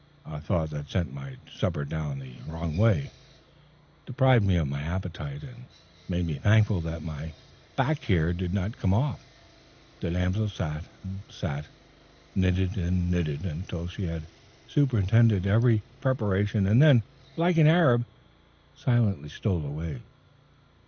a thought that sent my supper down the wrong way, deprived me of appetite, and made me thankful that my back hair did not come off! The damsel sat and sat, knitted and knitted, until she had superintended every preparation, and then, like an Arab, silently stole away.